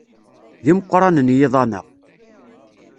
D imeqranen yiḍan-a.